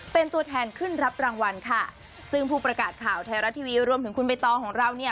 เป็นตัวแทนขึ้นรับรางวัลค่ะซึ่งผู้ประกาศข่าวไทยรัฐทีวีรวมถึงคุณใบตองของเราเนี่ย